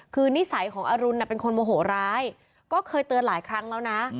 คือนิสัยของอรุณเป็นคนโมโหร้ายก็เคยเตือนหลายครั้งแล้วนะ